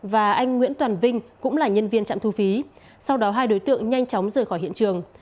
và anh nguyễn toàn vinh cũng là nhân viên trạm thu phí sau đó hai đối tượng nhanh chóng rời khỏi hiện trường